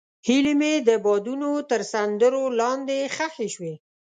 هیلې مې د بادونو تر سندرو لاندې ښخې شوې.